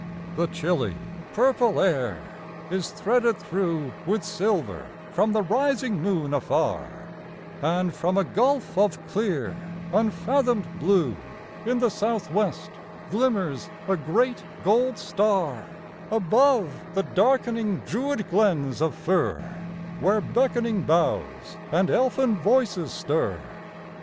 The chilly purple air is threaded through With silver from the rising moon afar, And from a gulf of clear, unfathomed blue In the southwest glimmers a great gold star Above the darkening druid glens of fir Where beckoning boughs and elfin voices stir.